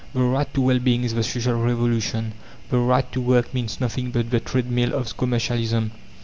The right to well being is the Social Revolution, the right to work means nothing but the Treadmill of Commercialism.